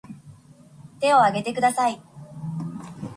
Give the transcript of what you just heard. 手を挙げてください